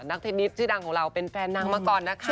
เทนนิสชื่อดังของเราเป็นแฟนนางมาก่อนนะคะ